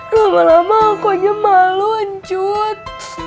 lama lama aku aja malu anjut